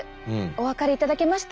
お分かりいただけました？